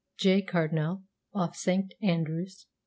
J. CARDINALL OFF SANCT ANDROWIS.